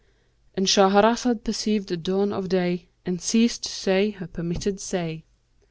"— And Shahrazad perceived the dawn of day and ceased to say her permitted say.